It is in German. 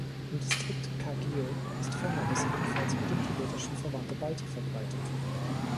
Im Distrikt Kargil ist ferner das ebenfalls mit dem Tibetischen verwandte Balti verbreitet.